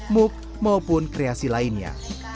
mug maupun kreasi lainnya